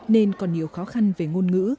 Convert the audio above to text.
nên còn nhiều khó khăn về ngôn ngữ